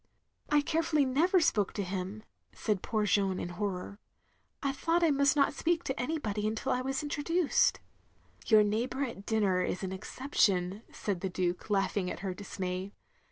" "I carefully never spoke to him," said poor Jeanne, in horror," I thought I must not speak to anybody until I was introduced. " "Yotir neighbour at dinner is an exception," said the Duke, laughing at her dismay.